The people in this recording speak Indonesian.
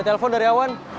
ada telepon dari awan